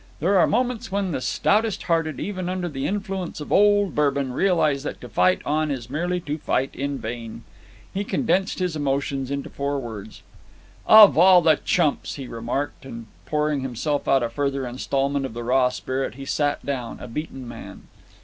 There are moments when the stoutest hearted, even under the influence of old Bourbon, realize that to fight on is merely to fight in vain. He condensed his emotions into four words. "Of all the chumps!" he remarked, and, pouring himself out a further instalment of the raw spirit, he sat down, a beaten man.